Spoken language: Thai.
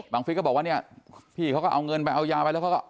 ฟิศก็บอกว่าเนี่ยพี่เขาก็เอาเงินไปเอายาไปแล้วเขาก็